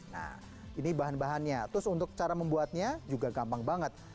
nah ini bahan bahannya terus untuk cara membuatnya juga gampang banget